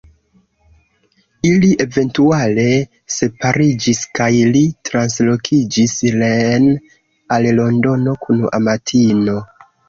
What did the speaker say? Ili eventuale separiĝis kaj li translokiĝis reen al Londono kun amatino.